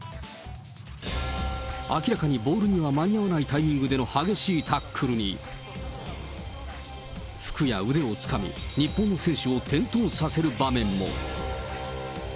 明らかにボールには間に合わないタイミングでの激しいタックルに、服や腕をつかみ、日本選手を転倒させる場面も。